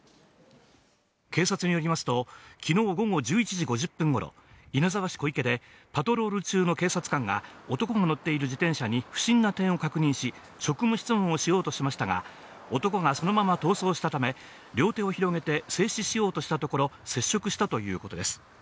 警察によりますと昨日午後１１時５０分頃、稲沢市小池でパトロール中の警察官が男が乗っている自転車に不審な点を確認し、職務質問をしようとしましたが男がそのまま逃走したため、両手を広げて制止しようとしたところ接触したということです。